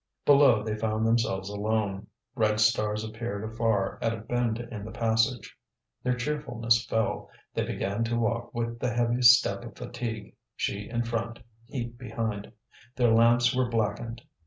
Below they found themselves alone. Red stars disappeared afar at a bend in the passage. Their cheerfulness fell, they began to walk with the heavy step of fatigue, she in front, he behind. Their lamps were blackened.